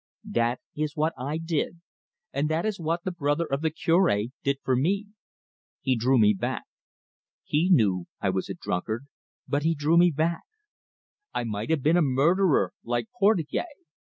That is what I did, and that is what the brother of the Cure did for me. He drew me back. He knew I was a drunkard, but he drew me back. I might have been a murderer like Portugais.